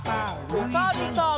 おさるさん。